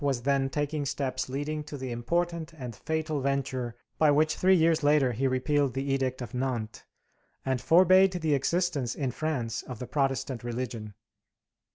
was then taking steps leading to the important and fatal venture by which three years later he repealed the Edict of Nantes, and forbade the existence in France of the Protestant religion.